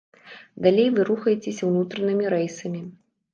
Далей вы рухаецеся ўнутранымі рэйсамі.